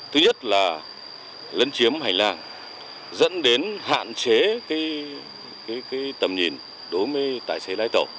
thứ nhất là lấn chiếm hành lang dẫn đến hạn chế tầm nhìn đối với tài xế lái tàu